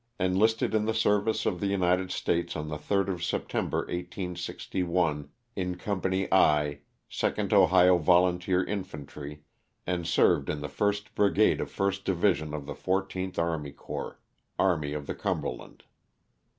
Enlisted in the service of the United States on the 3rd of September, 1861, in Company I, 2nd Ohio Volunteer Infantry and served in the first brigade of first division of the fourteenth army corps, Army of the Cumberland.